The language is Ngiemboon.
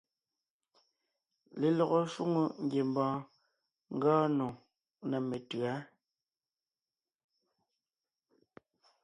Lelɔgɔ shwòŋo ngiembɔɔn ngɔɔn nò ná metʉ̌a.